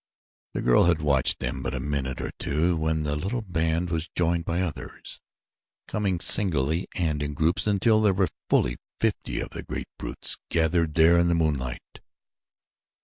The girl had watched them but a minute or two when the little band was joined by others, coming singly and in groups until there were fully fifty of the great brutes gathered there in the moonlight.